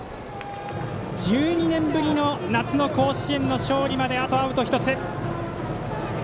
１２年ぶりの夏の甲子園の勝利まであとアウト１つ。